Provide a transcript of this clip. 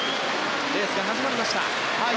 レースが始まりました。